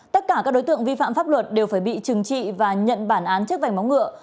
tất cả các đối tượng vi phạm pháp luật đều phải bị trừng trị và nhận bản án chức vành bóng ngựa